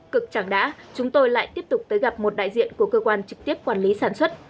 cực chẳng đã chúng tôi lại tiếp tục tới gặp một đại diện của cơ quan trực tiếp quản lý sản xuất